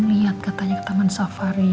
lihat katanya ke taman safari